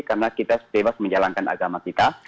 karena kita bebas menjalankan agama kita